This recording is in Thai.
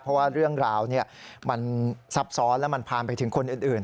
เพราะว่าเรื่องราวมันซับซ้อนแล้วมันผ่านไปถึงคนอื่น